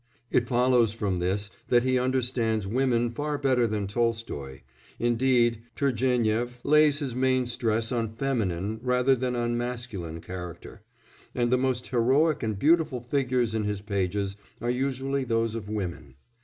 It follows from this that he understands women far better than Tolstoy; indeed Turgénief lays his main stress on feminine rather than on masculine character, and the most heroic and beautiful figures in his pages are usually those of women.